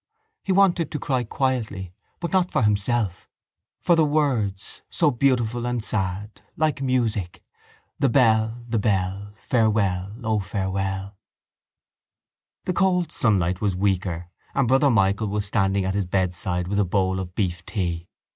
He wanted to cry quietly but not for himself: for the words, so beautiful and sad, like music. The bell! The bell! Farewell! O farewell! The cold sunlight was weaker and Brother Michael was standing at his bedside with a bowl of beeftea.